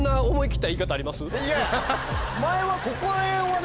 いや前は。